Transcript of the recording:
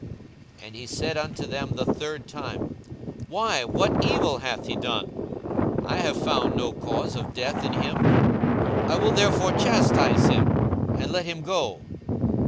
42:023:022 And he said unto them the third time, Why, what evil hath he done? I have found no cause of death in him: I will therefore chastise him, and let him go.